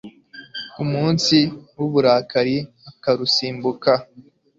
ku munsi w'uburakari, akarusimbuka